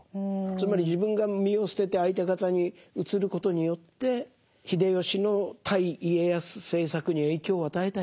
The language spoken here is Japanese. つまり自分が身を捨てて相手方に移ることによって秀吉の対家康政策に影響を与えたい。